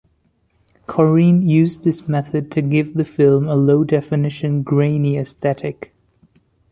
Korine used this method to give the film a low-definition, grainy aesthetic.